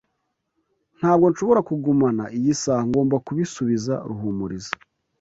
Ntabwo nshobora kugumana iyi saha. Ngomba kubisubiza Ruhumuriza.